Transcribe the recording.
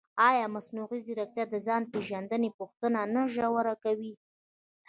ایا مصنوعي ځیرکتیا د ځان پېژندنې پوښتنه نه ژوره کوي؟